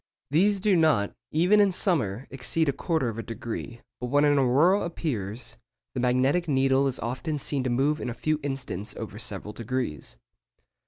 These do not, even in summer, exceed a quarter of a degree, but when an aurora appears, the magnetic needle is often seen to move in a few instants over several degrees.